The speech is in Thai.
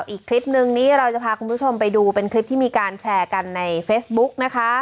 อีกคลิปนึงนี้เราจะพาคุณผู้ชมไปดูเป็นคลิปที่มีการแชร์กันในเฟซบุ๊กนะคะ